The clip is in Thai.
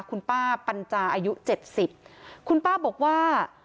คุณป้าปัญจาอายุเจ็ดสิบคุณป้าบอกว่า